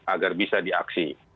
agar bisa diaksi